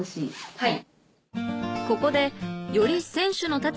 はい。